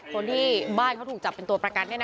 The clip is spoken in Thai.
คนที่บ้านเขาถูกจับเป็นตัวประกัน